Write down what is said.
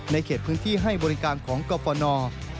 เขตพื้นที่ให้บริการของกรฟน